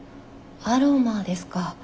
アロマですか。